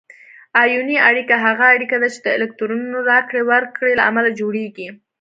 آیوني اړیکه هغه اړیکه ده چې د الکترونونو راکړې ورکړې له امله جوړیږي.